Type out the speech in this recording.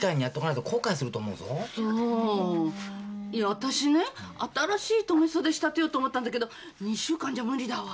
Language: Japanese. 私ね新しい留め袖仕立てようと思ったんだけど２週間じゃ無理だわ。